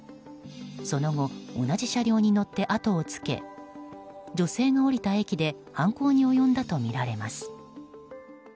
その後、同じ車両に乗ってあとをつけ女性が降りた駅で犯行に及んだとみられます。